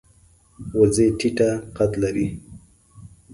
وزې ټیټه قد لري